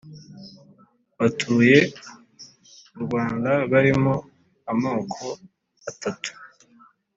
batuye u rwanda barimo amoko atatu